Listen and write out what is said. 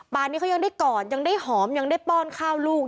นี้เขายังได้กอดยังได้หอมยังได้ป้อนข้าวลูก